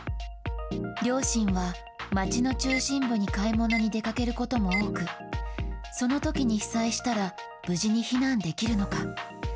両親は町の中心部に買い物に出かけることも多く、そのときに被災したら、無事に避難できるのか。